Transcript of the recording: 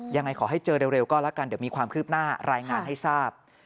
ยังไงขอให้เจอเร็วก็แล้วกันเดี๋ยวมีความคืบหน้ารายงานให้ทราบ